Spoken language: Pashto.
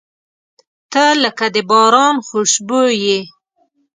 • ته لکه د باران خوشبويي یې.